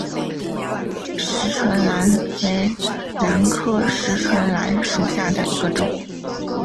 匙唇兰为兰科匙唇兰属下的一个种。